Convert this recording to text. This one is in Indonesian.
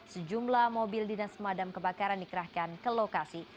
sejumlah mobil dinas pemadam kebakaran dikerahkan ke lokasi